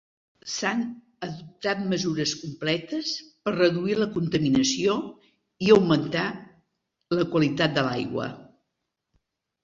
S'han adoptat mesures completes per reduir la contaminació i augmentar la qualitat de l'aigua.